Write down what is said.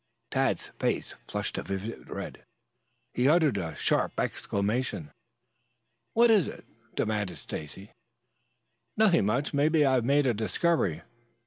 Tad's face flushed a vivid red, and he uttered a sharp exclamation. "What is it?" demanded Stacy. "Nothing much. Maybe I've made a discovery.